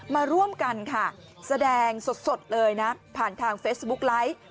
มาร่วมกันค่ะแสดงสดเลยนะผ่านทางเฟซบุ๊กไลฟ์